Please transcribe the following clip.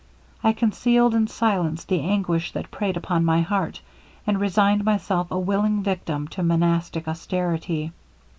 I concealed in silence the anguish that preyed upon my heart, and resigned myself a willing victim to monastic austerity.